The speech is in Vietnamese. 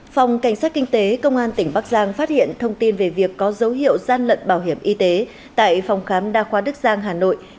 phòng cảnh sát kinh tế công an tỉnh bắc giang phát hiện thông tin về việc có dấu hiệu gian lận bảo hiểm y tế tại phòng khám đa khoa đức giang hà nội